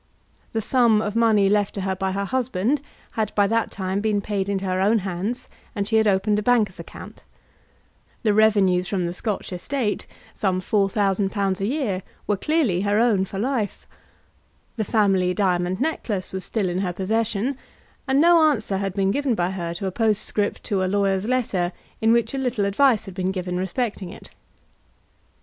The sum of money left to her by her husband had by that time been paid into her own hands, and she had opened a banker's account. The revenues from the Scotch estate, some £4,000 a year, were clearly her own for life. The family diamond necklace was still in her possession, and no answer had been given by her to a postscript to a lawyer's letter in which a little advice had been given respecting it.